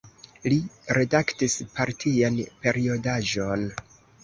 Li redaktis partian periodaĵon.